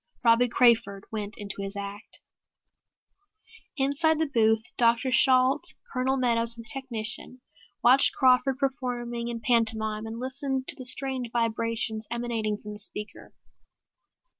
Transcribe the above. Robbie Crawford went into his act. Inside the booth Dr. Shalt, Colonel Meadows and a technician watched Crawford performing in pantomime and listened to the strange vibrations emanating from the speaker.